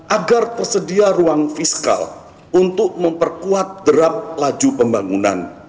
agar tersedia ruang fiskal untuk memperkuat derap laju pembangunan